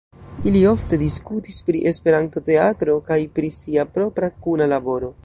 Ili ofte diskutis pri esperantoteatro kaj pri sia propra kuna laboro.